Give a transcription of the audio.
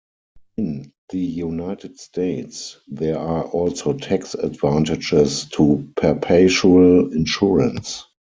In the United States, there are also tax advantages to perpetual insurance.